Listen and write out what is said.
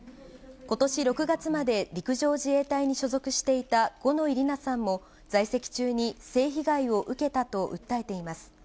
ことし６月まで陸上自衛隊に所属していた五ノ井里奈さんも、在籍中に性被害を受けたと訴えています。